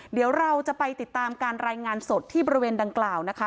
เดี๋ยวเราจะไปติดตามการรายงานสดที่บริเวณดังกล่าวนะคะ